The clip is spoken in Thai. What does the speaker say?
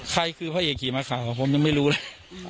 ใครคือพระเอกขี่ม้าขาวผมยังไม่รู้เลย